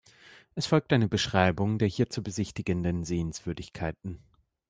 Es folgt eine Beschreibung der hier zu besichtigenden Sehenswürdigkeiten.